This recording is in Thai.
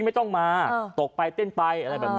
ไม่ต้องมาตกไปเต้นไปอะไรแบบนี้